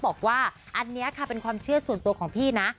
บอกว่าอันนี้ค่ะเป็นความเชื่อส่วนตัวของพี่นะ